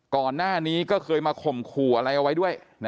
ก่อนหน้านี้ก็เคยมาข่มขู่อะไรเอาไว้ด้วย